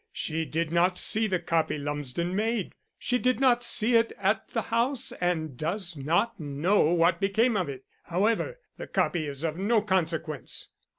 She did not see the copy Lumsden made; she did not see it at the house, and does not know what became of it. However, the copy is of no consequence."